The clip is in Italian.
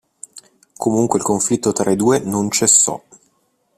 Comunque il conflitto tra i due non cessò.